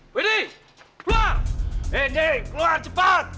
wini keluar cepat